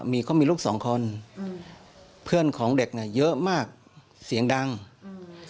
มีเขามีลูกสองคนอืมเพื่อนของเด็กเนี้ยเยอะมากเสียงดังอืม